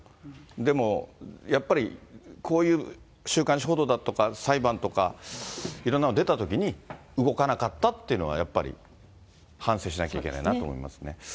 でも、やっぱりこういう週刊誌報道だとか、裁判とか、いろんなの出たときに動かなかったっていうのはやっぱり反省しなきゃいけないなと思いますね。